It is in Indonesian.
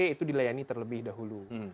itu dilayani terlebih dahulu